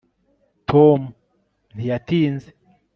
tom ntiyatinze